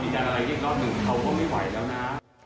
มีการอะไรอีกรอบนึงเขาก็ไม่ไหวแล้วนะ